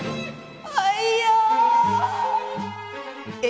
アイヤー。え？